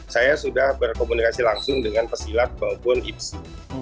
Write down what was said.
saya sudah berkomunikasi langsung dengan pesilat maupun ipsi